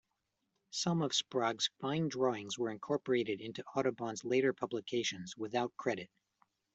Some of Sprague's fine drawings were incorporated into Audubon's later publications, without credit.